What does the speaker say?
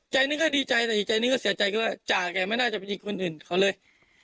ใจนี้ก็ดีใจแต่อีกใจนี้ก็เสียใจคือว่าจ่าแกไม่น่าจะไปยิงคนอื่นเขาเลย